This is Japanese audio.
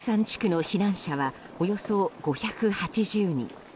熱海市伊豆山地区の避難者はおよそ５８０人。